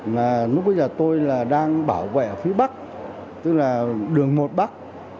mà lúc bây giờ tôi là đang bảo vệ phía bắc tức là đường một bắc